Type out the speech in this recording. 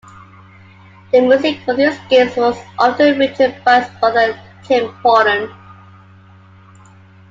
The music for these games was often written by his brother Tim Follin.